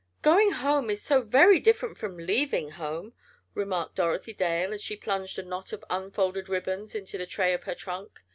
"Going home is so very different from leaving home," remarked Dorothy Dale, as she plunged a knot of unfolded ribbons into the tray of her trunk.